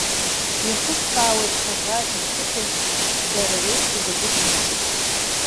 Иахыскаауеит ҳаӷа иԥсыхәашь, дара реиԥш игатәуп иныҵашь.